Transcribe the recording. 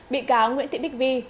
bị cáo nguyễn thị đích vi